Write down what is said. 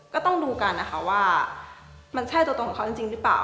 ก็ต้องดูกันนะคะว่ามันใช่ตัวตนของเขาจริงหรือเปล่า